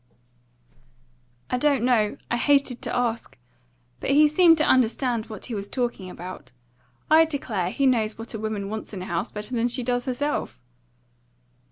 "I don't know. I hated to ask. But he seemed to understand what he was talking about. I declare, he knows what a woman wants in a house better than she does herself."